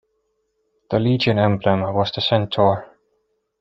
The legion emblem was the centaur.